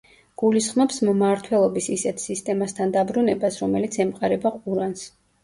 გულისხმობს მმართველობის ისეთ სისტემასთან დაბრუნებას, რომელიც ემყარება ყურანს.